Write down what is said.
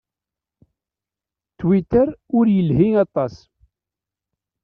Twitter ur yelhi aṭas.